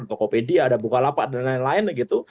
tokopedia ada bukalapak dan lain lain gitu